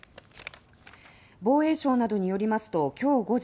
防衛省などによりますと今日午前